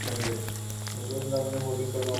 প্রচণ্ড দম নিয়ে বোলিং কর্মে অগ্রসর হতেন।